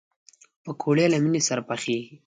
پکورې له مینې سره پخېږي